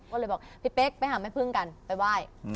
ก็เลยบอกพี่เป๊กไปหาแม่พึ่งกันไปไหว้